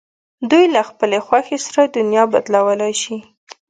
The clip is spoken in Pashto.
دوی له خپلې خوښې سره دنیا بدلولای شي.